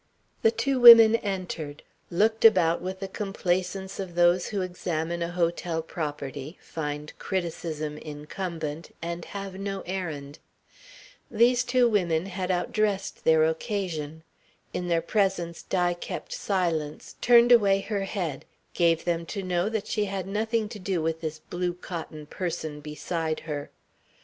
The two women entered, looked about with the complaisance of those who examine a hotel property, find criticism incumbent, and have no errand. These two women had outdressed their occasion. In their presence Di kept silence, turned away her head, gave them to know that she had nothing to do with this blue cotton person beside her.